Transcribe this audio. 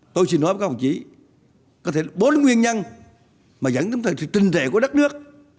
tôi xin nói với các học trí có thể bốn nguyên nhân mà dẫn tới sự trì trệ của đất nước